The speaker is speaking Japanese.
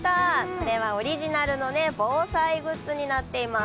これはオリジナルの防災グッズになっています。